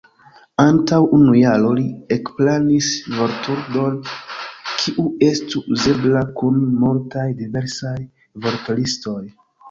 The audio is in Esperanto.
Antaŭ unu jaro li ekplanis vortludon kiu estu uzebla kun multaj diversaj vortlistoj.